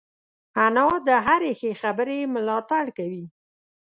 انا د هرې ښې خبرې ملاتړ کوي